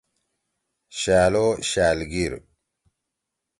شأل او شألگیر: